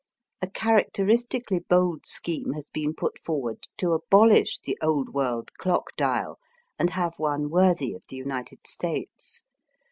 A characteris tically bold scheme has been put forward to abolish the Old World clock dial, and have one worthy of the United States.